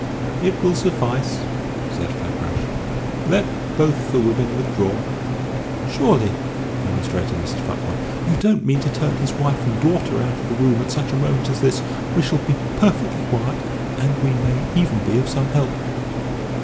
"It will suffice," said Fakrash. "Let both the women withdraw." "Surely," remonstrated Mrs. Futvoye, "you don't mean to turn his wife and daughter out of the room at such a moment as this? We shall be perfectly quiet, and we may even be of some help."